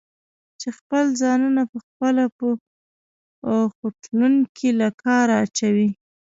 چې خپل ځانونه پخپله په خوټلون کې له کاره اچوي؟